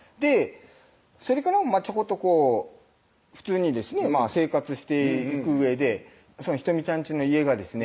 それからもちょこっとこう普通にですね生活していくうえで仁美ちゃんちの家がですね